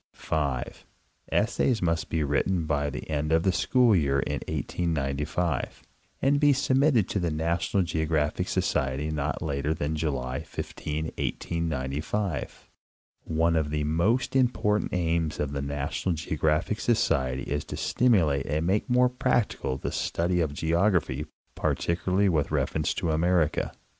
5. ESSAYS MUST BE WRITTEN BY THE END OF THE SCHOOL YEAR IN 1895, AND BE SUBMITTED TO THE NATIONAL GEOGRAPHIC So CIETY NOT LATER THAN JULY 15, 1895. One of the most important aims of the NATIONAL GEOGRAPHIC Socrery is to stimulate and make more practical the study of geography, particularly with reference to America.